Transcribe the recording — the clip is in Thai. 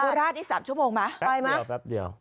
คุณราชน์นี่๓ชั่วโมงมาไปมั้ยแป๊บเดียว